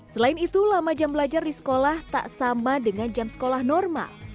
selain itu lama jam belajar di sekolah tak sama dengan jam sekolah normal